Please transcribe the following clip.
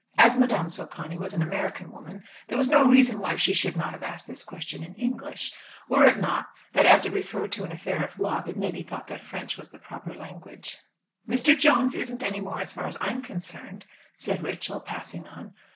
As Madame Socani was an American woman, there was no reason why she should not have asked the question in English were it not that as it referred to an affair of love it may be thought that French was the proper language. "Mr. Jones isn't any more, as far as I am concerned," said Rachel, passing on.